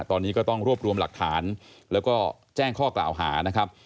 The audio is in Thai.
ตอนนี้ก็ต้องรวบรวมหลักฐานแล้วก็แจ้งข้อกล่าวหานะครับ